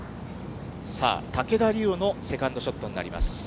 さあ、竹田麗央のセカンドショットになります。